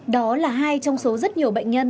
đó là hai trong số rất nhiều bệnh nhân